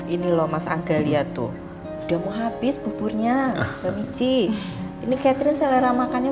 ini loh mas aga lihat tuh udah mau habis buburnya kemici ini catherine selera makannya